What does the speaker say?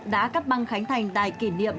đã cắt băng khánh thành đài kỷ niệm